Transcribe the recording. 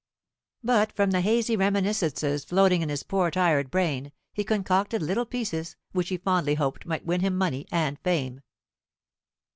But from the hazy reminiscences floating in his poor tired brain he concocted little pieces which he fondly hoped might win him money and fame.